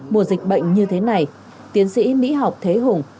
mùa dịch bệnh như thế này tiến sĩ mỹ học thế hùng